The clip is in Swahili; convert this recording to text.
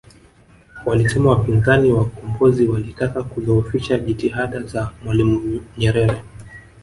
Walisema wapinzani wa ukombozi walitaka kudhoofisha jitihada za Mwalimu Nyerere